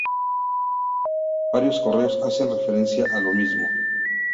Varios correos hacen referencia a lo mismo.